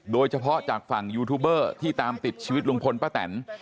โดยเฉพาะจากฝั่งยูทูบเบอร์ที่ตามติดชีวิตลุงพลป้าแตน